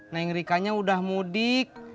neng rikanya udah mudik